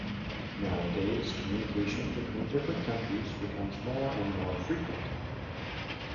Nowadays, communication between different countries becomes more and more frequent.